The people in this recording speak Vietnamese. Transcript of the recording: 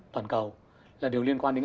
toàn cầu là điều liên quan đến